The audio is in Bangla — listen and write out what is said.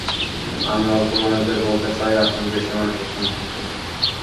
আমি অল্প মানুষদের বলতে চাই, আসুন বেশি মানুষের সঙ্গে মিশে যাই।